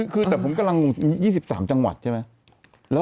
คือแต่ผมกำลัง๒๓จังหวัดใช่ไหม